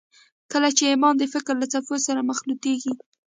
کله چې ایمان د فکر له څپو سره مخلوطېږي